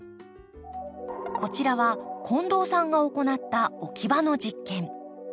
こちらは近藤さんが行った置き場の実験。